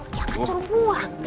jangan cari buang